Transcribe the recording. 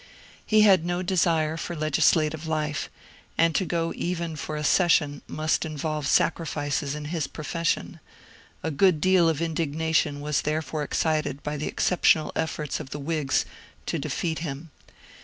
He had no desire for legislative life, and to go even for a session must involve sac rifices in his profession ; a good deal of indignation was there fore excited by the exceptional efforts of the Whigs to defeat him.